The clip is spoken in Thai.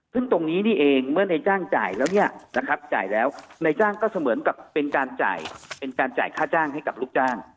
ขึ้นตรงนี้นี่เองเมื่อนายจ้างจ่ายแล้วนายจ้างก็เสมือนกับเป็นการจ่ายค่าจ้างให้กับลูกจ้าง